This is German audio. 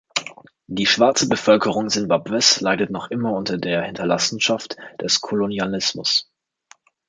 Die schwarze Bevölkerung Simbabwes leidet noch immer unter der Hinterlassenschaft des Kolonialismus.